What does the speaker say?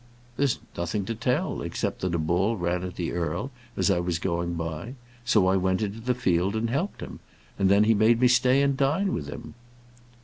"There's nothing to tell, except that a bull ran at the earl, as I was going by; so I went into the field and helped him, and then he made me stay and dine with him."